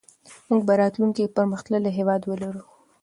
موږ به راتلونکي کې پرمختللی هېواد ولرو.